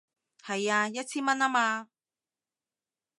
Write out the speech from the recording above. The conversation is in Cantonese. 係啊，一千蚊吖嘛